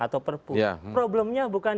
atau perpu problemnya bukan